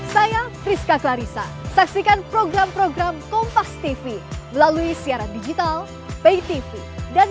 saya rizka clarissa saksikan program program kompas tv melalui siaran digital